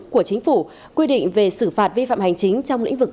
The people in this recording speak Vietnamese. của chính phủ quy định về xử phạt vi phạm hành chính trong lĩnh vực